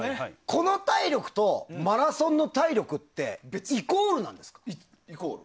この体力とマラソンの体力ってイコールなんですか？